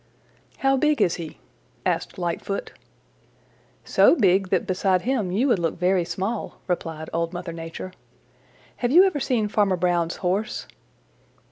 "How big is he?" asked Lightfoot. "So big that beside him you would look very small," replied Old Mother Nature. "Have you ever seen Farmer Brown's Horse?"